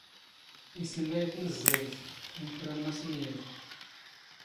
ⵉⵙⵍⵍⴰ ⵉ ⵜⵏⵣⵣⴰⵢⵜ, ⵉⵏⴽⵔ ⴰⵎⵎⴰⵙ ⵏ ⵢⵉⴹ